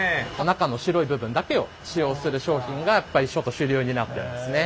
中の白い部分だけを使用する商品がやっぱり主流になってますね。